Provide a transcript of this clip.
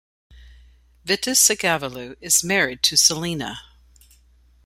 Vitusagavulu is married to Silina.